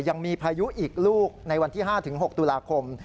ยังมีพายุอีกลูกในวันที่๕๖ตุลาคม